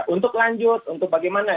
untuk lanjut untuk bagaimana